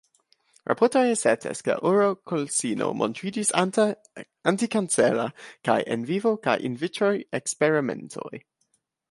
Raportoj asertas ke oroksilino montriĝis antikancera kaj in vivo kaj in vitraj eksperimentoj.